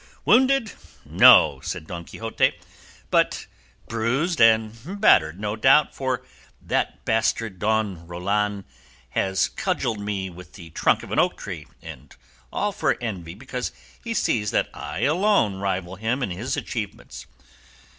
"Wounded no," said Don Quixote, "but bruised and battered no doubt, for that bastard Don Roland has cudgelled me with the trunk of an oak tree, and all for envy, because he sees that I alone rival him in his achievements.